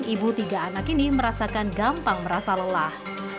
ibu tiga anak ini merasakan gampang merasa lelah